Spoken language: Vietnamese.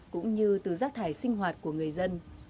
cũng như từ rác thải sinh hoạt của người dân